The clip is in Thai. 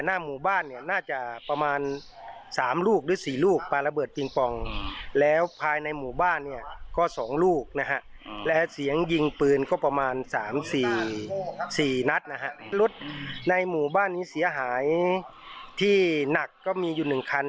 ในหมู่บ้านนี้เสียหายที่หนักก็มีอยู่๑คัน